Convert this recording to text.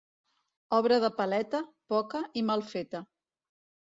Obra de paleta, poca i mal feta.